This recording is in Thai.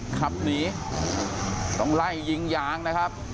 ขับหนีต้องไล่ยิงยางนะครับ